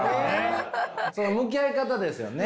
その向き合い方ですよね。